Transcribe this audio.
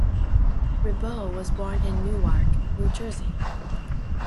Ribot was born in Newark, New Jersey.